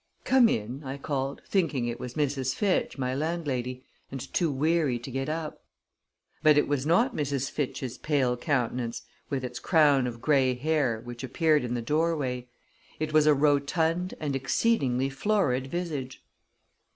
"Come in," I called, thinking it was Mrs. Fitch, my landlady, and too weary to get up. But it was not Mrs. Fitch's pale countenance, with its crown of gray hair, which appeared in the doorway; it was a rotund and exceedingly florid visage.